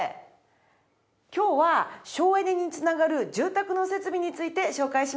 今日は省エネに繋がる住宅の設備について紹介します。